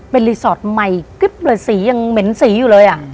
เป็นรีสอร์ทใหม่กริ๊บเลยสียังเหม็นสีอยู่เลยอ่ะ